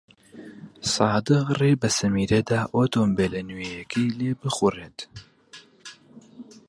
سادق ڕێی بە سەمیرە دا ئۆتۆمۆبیلە نوێیەکەی لێ بخوڕێت.